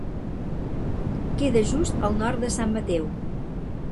Queda just al nord de San Mateo.